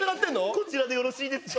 こちらでよろしいですか？